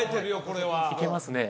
これはいけますね